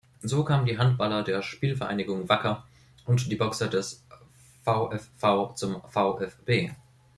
So kamen die Handballer der "Spielvereinigung Wacker" und die Boxer des "VfV" zum "VfB".